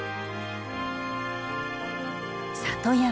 里山。